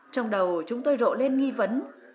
trong đầu chúng tôi rộ lên nghi vấn